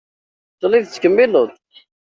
Telliḍ tettkemmileḍ.